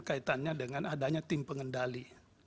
kaitannya dengan adanya tim pengendali